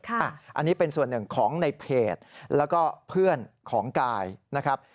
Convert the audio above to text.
อันนี้เป็นส่วนหนึ่งของในเพจแล้วก็เพื่อนของกายนะครับ